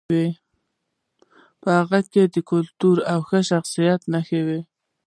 په هغې کې د کلتور او ښه شخصیت نښې وې